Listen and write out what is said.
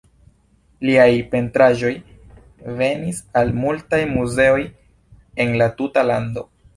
Liaj pentraĵoj venis al multaj muzeoj en la tuta lando.